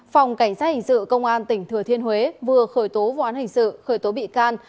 phòng cảnh sát hình sự công an tỉnh thừa thiên huế vừa khởi tố vụ án hình sự khởi tố bị can